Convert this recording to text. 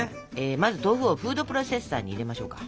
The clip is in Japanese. まず豆腐をフードプロセッサーに入れましょうか。